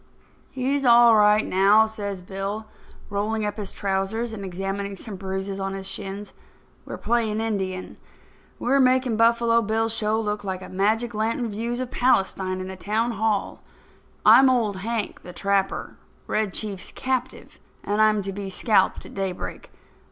"He's all right now," says Bill, rolling up his trousers and examining some bruises on his shins. "We're playing Indian. We're making Buffalo Bill's show look like magic lantern views of Palestine in the town hall. I'm Old Hank, the Trapper, Red Chief's captive, and I'm to be scalped at daybreak.